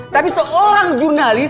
tapi seorang jurnalis